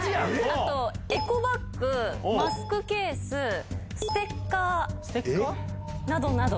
あと、エコバッグ、マスクケース、ステッカーなどなど。